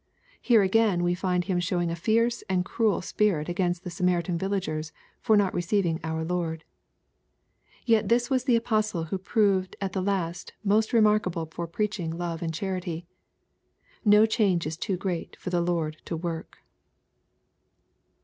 Here again we find him showing a fierce and cruel spirit against the Samaritan villagers for not receiving our Lord. Yet this was the apostle who proved at last most remarkable for preaching love and charity. No change is too great for the Lord to work.